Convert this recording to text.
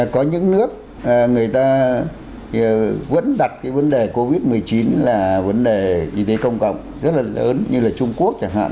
có những nước người ta vẫn đặt cái vấn đề covid một mươi chín là vấn đề y tế công cộng rất là lớn như là trung quốc chẳng hạn